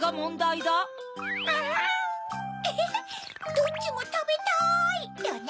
どっちもたべたいよね。